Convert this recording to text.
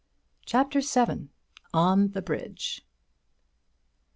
CHAPTER VII. ON THE BRIDGE.